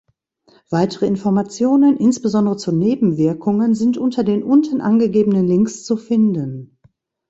Weitere Informationen, insbesondere zu Nebenwirkungen, sind unter den unten angegebenen Links zu finden.